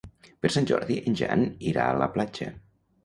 Per Sant Jordi en Jan irà a la platja.